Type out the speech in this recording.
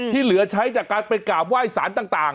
ที่เหลือใช้จากการไปกราบไหว้สารต่าง